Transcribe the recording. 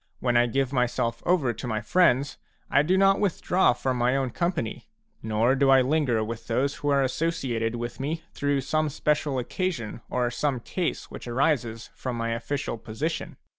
When I give myself to my fHends, I do not withdraw from my own company, nor do I linger with those who are associated with me through some special occasion or some case which arises from my official position.